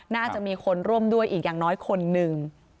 น่าจะมีคนร่วมด้วยอีกอย่างน้อยคนหนึ่ง